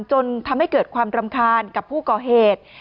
จนทำให้เกิดความรำคาญกับผู้ก่อเหตุ